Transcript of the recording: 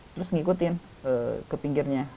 terus mengikutin ke pinggirnya